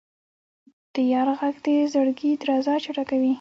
د یار ږغ د زړګي درزا چټکوي.